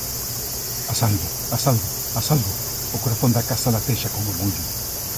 “A salvo, a salvo, a salvo,” o corazón da casa latexa con orgullo.